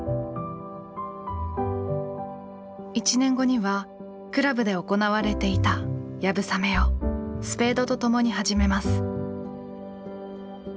１年後には倶楽部で行われていた流鏑馬をスペードと共に始めます。